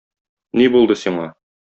Ни булды сиңа?